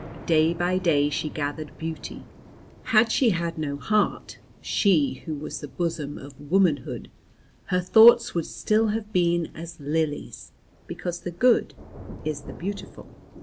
Day by day, she gathered beauty; had she had no heart (she who was the bosom of womanhood) her thoughts would still have been as lilies, because the good is the beautiful.